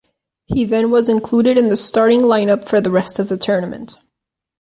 He then was included in the starting lineup for the rest of the tournament.